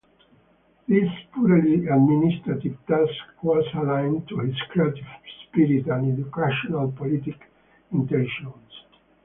This purely administrative task was alien to his creative spirit and educational politic intentions.